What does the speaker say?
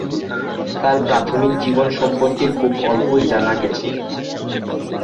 তার প্রাথমিক জীবন সম্পর্কে খুব অল্পই জানা গেছে।